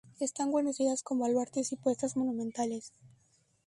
Están guarnecidas con baluartes y puestas monumentales.